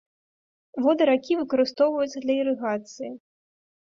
Воды ракі выкарыстоўваецца для ірыгацыі.